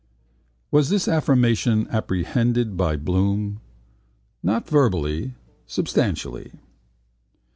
Was this affirmation apprehended by Bloom? Not verbally. Substantially.